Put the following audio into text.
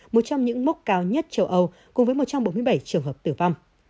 một trong những mốc cao nhất châu âu cùng với một trăm bốn mươi bảy trường hợp tử vong